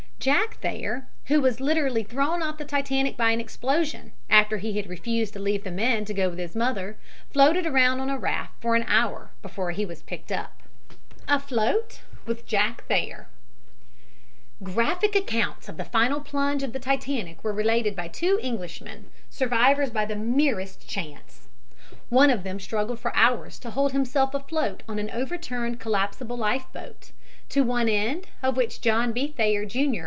'Jack' Thayer, who was literally thrown off the Titanic by an explosion, after he had refused to leave the men to go with his mother, floated around on a raft for an hour before he was picked up." AFLOAT WITH JACK THAYER Graphic accounts of the final plunge of the Titanic were related by two Englishmen, survivors by the merest chance. One of them struggled for hours to hold himself afloat on an overturned collapsible life boat, to one end of which John B. Thayer, Jr.